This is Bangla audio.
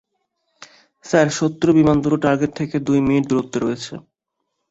স্যার, শত্রু বিমান দুটো টার্গেট থেকে দুই মিনিট দূরত্বে রয়েছে।